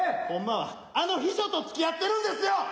ほんまはあの秘書とつきあってるんですよ！